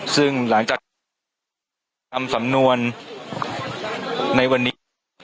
ซึ่งหลังจากทำสำนวนในวันนี้